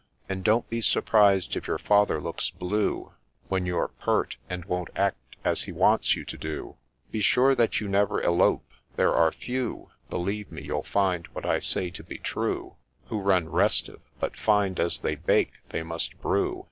— And don't be surprised if your father looks blue When you're pert, and won't act as he wants you to do I Be sure that you never elope ;— there are few, — Believe me, you'll find what I say to be true, — Who run restive, but find as they bake they must brew.